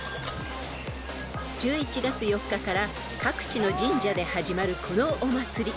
［１１月４日から各地の神社で始まるこのお祭り］